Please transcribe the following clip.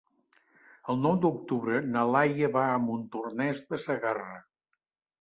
El nou d'octubre na Laia va a Montornès de Segarra.